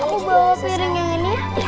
aku bawa seliring yang ini ya